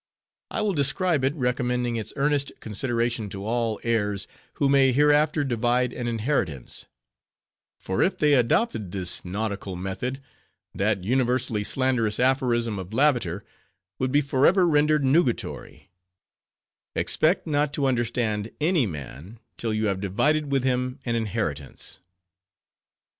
I will describe it, recommending its earnest consideration to all heirs, who may hereafter divide an inheritance; for if they adopted this nautical method, that universally slanderous aphorism of Lavater would be forever rendered nugatory—"Expect _not to understand any man till you have divided with him an inheritance."